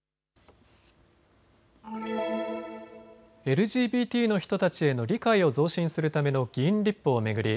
ＬＧＢＴの人たちへの理解を増進するための議員立法を巡り